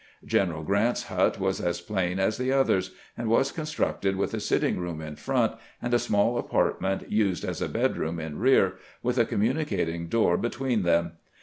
Q eneral Grrant's hut was as plain as the others, and was constructed with a sitting room in front, and a small apartment used as a bedroom in rear, with a communicating door between them.